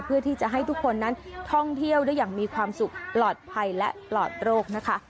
เพื่อที่จะให้ทุกคนนั้นท่องเที่ยวได้อย่างมีความสุขปลอดภัยและปลอดโรคนะคะ